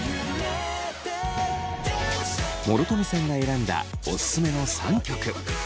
諸富さんが選んだオススメの３曲。